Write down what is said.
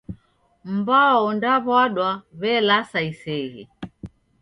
Mbao ondaw'adwa w'elasa iseghe.